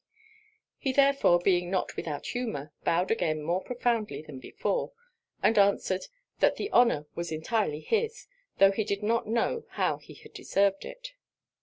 He therefore being not without humour, bowed again more profoundly than before; and answered, 'that the honour was entirely his, tho' he did not know how he had deserved it.'